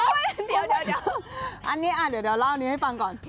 อันนี้เดี๋ยวเล่าอันนี้ให้ฟังก่อน